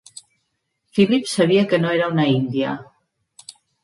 Philip sabia que no era una índia.